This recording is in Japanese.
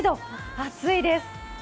暑いです。